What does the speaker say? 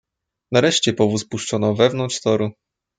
"Nareszcie powóz puszczono wewnątrz toru."